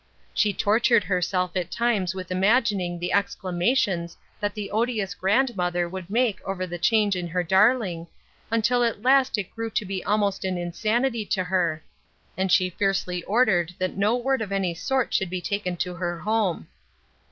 She tortured herself at times with imag ining the exclamations that the odious grand mother would make over the change in her dar ling, until at last it grew to be almost an insan ity to her ; and she fiercely ordered that no word of any sort should be taken to her home.